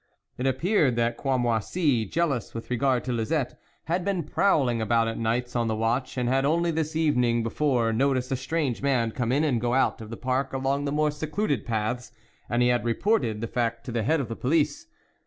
It appeared that Cramoisi, jealous with regard to Lisette, had been prowling about at nights on the watch, and had, only the evening before, noticed a strange man come in and go out of the park along the more secluded paths, and he had reported the fact to the head of the police.